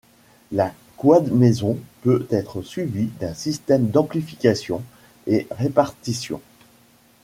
La quad maison peut être suivie d'un système d'amplification et répartition.